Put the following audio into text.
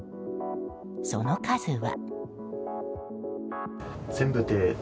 その数は。